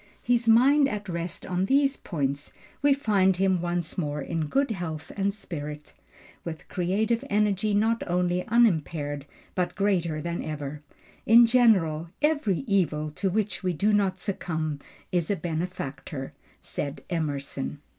His mind at rest on these points, we find him once more in good health and spirits, with creative energy not only unimpaired but greater than ever. "In general, every evil to which we do not succumb is a benefactor," said Emerson.